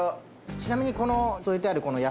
ちなみに添えてある。